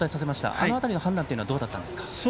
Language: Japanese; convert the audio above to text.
あの辺りの判断はどうだったんですか。